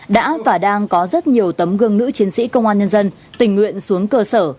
đã và đang có rất nhiều tấm gương nữ chiến sĩ công an nhân dân tình nguyện xuống cơ sở